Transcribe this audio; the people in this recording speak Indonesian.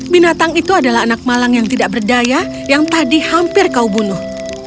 binatang itu adalah anak malang yang tidak berdaya yang tadi hampir kau bunuh